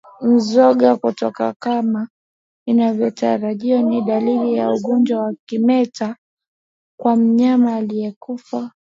Mzoga kutokakamaa inavyotarajiwa ni dalili ya ugonjwa wa kimeta kwa mnyama aliyekufa